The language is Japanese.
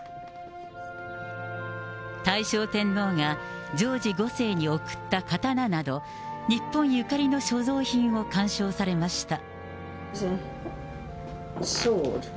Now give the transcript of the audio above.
大正天皇がジョージ５世に贈った刀など、日本ゆかりの所蔵品を鑑賞されました。